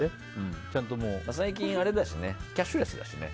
最近、キャッシュレスだしね。